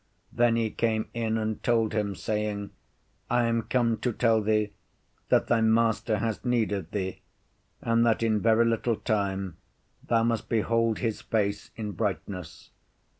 Then he came in and told him, saying, I am come to tell thee that thy Master has need of thee, and that in very little time thou must behold his face in brightness.